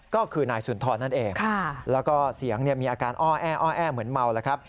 ก็คือนายสุนทรนั่นเองแล้วก็เสียงมีอาการอ้อแอ้อแอเหมือนเมาแล้วครับ